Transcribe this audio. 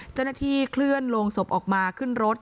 เจ้าหน้าที่เคลื่อนลงศพออกมาขึ้นรถ